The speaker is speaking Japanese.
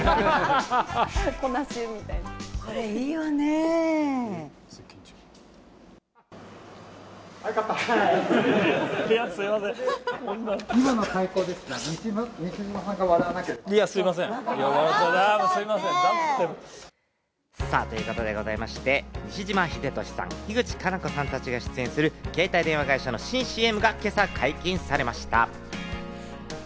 この後はこれ、いいわね。ということでございまして、西島秀俊さん、樋口可南子さんたちが出演する、携帯電話会社の新ＣＭが今朝、解禁されました。